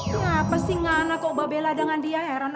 kenapa sih ngana kok mbak bella dengan dia heran